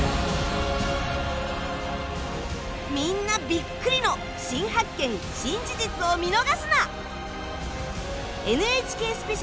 みんなビックリの新発見・新事実を見逃すな！